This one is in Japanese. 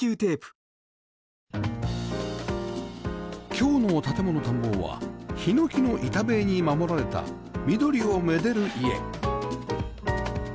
今日の『建もの探訪』はヒノキの板塀に守られた緑を愛でる家